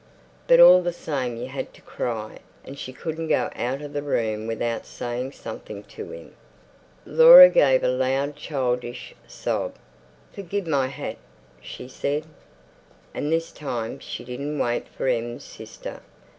But all the same you had to cry, and she couldn't go out of the room without saying something to him. Laura gave a loud childish sob. "Forgive my hat," she said. And this time she didn't wait for Em's sister.